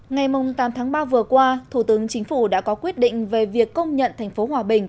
ngày tám tháng ba vừa qua thủ tướng chính phủ đã có quyết định về việc công nhận thành phố hòa bình